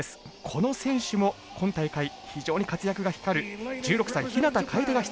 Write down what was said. この選手も今大会非常に活躍が光る１６歳日向楓が出場します。